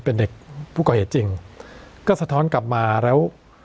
เป็นเด็กผู้ก่อเหตุจริงก็สะท้อนกลับมาแล้ว